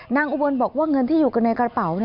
อุบลบอกว่าเงินที่อยู่กันในกระเป๋า